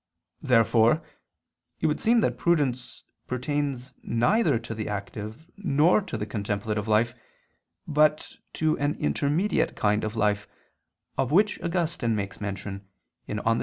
Therefore it would seem that prudence pertains neither to the active nor to the contemplative life, but to an intermediate kind of life, of which Augustine makes mention (De Civ.